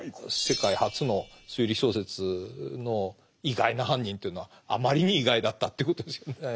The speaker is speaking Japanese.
世界初の推理小説の意外な犯人というのはあまりに意外だったということですよね。